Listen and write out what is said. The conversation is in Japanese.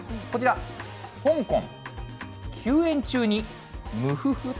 こちら、香港、休園中にムフフ。